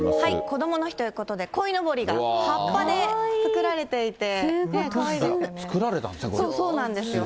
こどもの日ということで、こいのぼりが、葉っぱで作られていすごいかわいいですね。